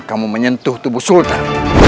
kamu menyentuh tubuh sultan